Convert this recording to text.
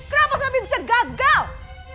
kenapa sampai bisa gagal